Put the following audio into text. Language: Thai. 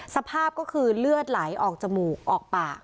สภาพก็คือเลือดไหลออกจมูกออกปาก